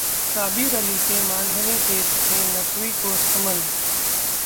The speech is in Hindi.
साबिर अली के मानहानि केस में नकवी को समन